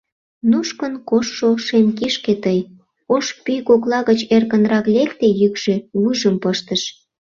— Нушкын коштшо шем кишке тый... — ош пӱй кокла гыч эркынрак лекте йӱкшӧ, вуйжым пыштыш.